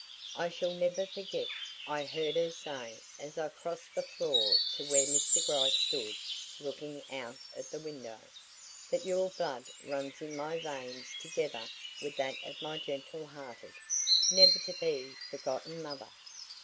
"I shall never forget," I heard her say as I crossed the floor to where Mr. Gryce stood looking out of the window, "that your blood runs in my veins together with that of my gentle hearted, never to be forgotten mother.